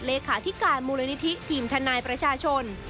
เลขาธิการมูลนิธิทีมทนายประชาชน